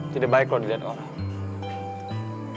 tidak baik kalau dilihat orang